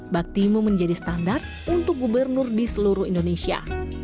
baktimu menjadi standar untuk gubernur di seluruh indonesia